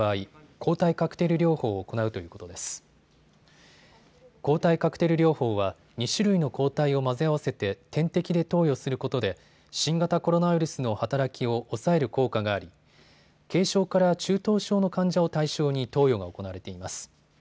抗体カクテル療法は２種類の抗体を混ぜ合わせて点滴で投与することで新型コロナウイルスの働きを抑える効果があり、軽症から中等症の患者を対象に投与が行われています。